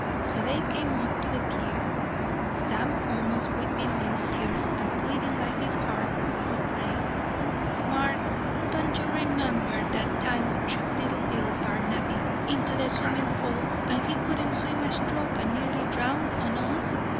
So they came up to the pier, Sam almost weeping real tears and pleading like his heart would break: 'Mark, don't you remember that time we threw little Bill Barnaby into the swimming hole, and he couldn't swim a stroke and nearly drowned on us?'